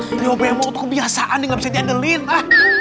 trio bemoto kebiasaan nih nggak bisa diandelin pak